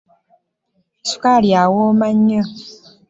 Sukaali awooma nnyo.